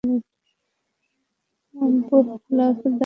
বোহ, লাফ দাও!